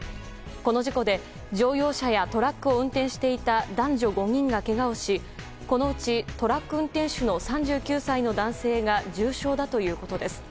この事故で、乗用車やトラックを運転していた男女５人がけがをしこのうち、トラック運転手の３９歳の男性が重傷だということです。